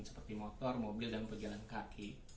seperti motor mobil dan pejalan kaki